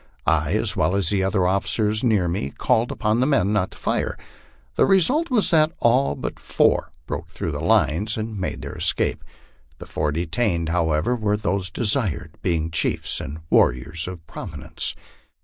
I, as well as the other officers near roe, called upon the men not to fire. The result was that all but four broke through the lines and made their escape. The four detained, however, were those desired, being chiefs and warriors of prominence.